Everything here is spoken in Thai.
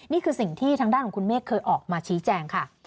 นี่คือสิ่งที่ทางด้านของคุณเมฆเคยออกมาชี้แจงค่ะ